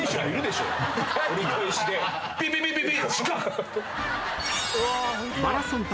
ピピピピピ！